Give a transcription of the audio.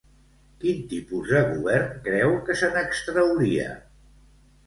Quin tipus de govern creu que se n'extrauria?